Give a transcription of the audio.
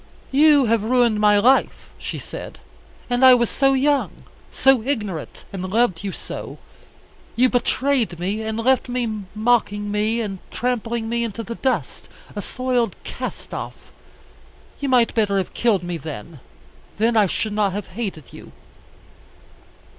"You have ruined my life," she said; "and I was so young, so ignorant, and loved you so. You betrayed me, and left me, mocking me and trampling me into the dust, a soiled cast off. You might better have killed me then. Then I should not have hated you."